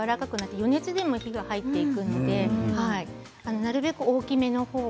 余熱でも火が入っていくのでなるべく大きめの方で。